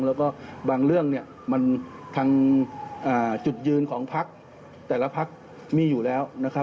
แล้วก็บางเรื่องทางจุดยืนของพักแต่ละพักมีอยู่แล้ว